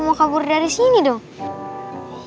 mau kabur dari sini dong